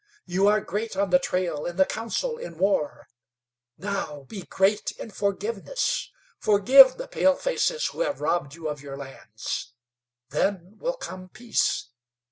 You are great on the trail, in the council, in war; now be great in forgiveness. Forgive the palefaces who have robbed you of your lands. Then will come peace.